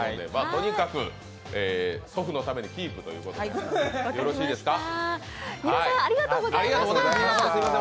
とにかく祖父のためにキープということでよろしいですか。